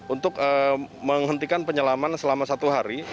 untuk menghentikan penyelaman selama satu hari